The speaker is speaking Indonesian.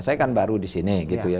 saya kan baru di sini gitu ya